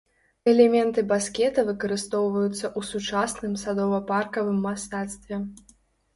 Элементы баскета выкарыстоўваюцца ў сучасным садова-паркавым мастацтве.